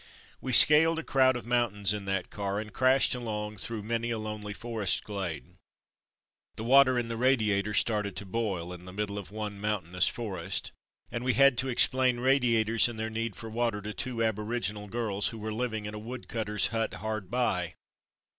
We scaled a crowd of mount ains in that car, and crashed along through many a lonely forest glade. The water in the radiator started to boil in the middle of one mountainous forest, and we had to explain radiators and their need for water to two aboriginal girls who were living in a wood cutter's hut hard by.